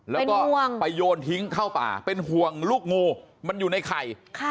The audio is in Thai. แล้วก็ไปโยนทิ้งเข้าป่าเป็นห่วงลูกงูมันอยู่ในไข่